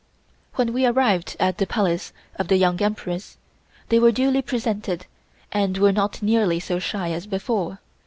When we arrived at the Palace of the Young Empress they were duly presented and were not nearly so shy as before.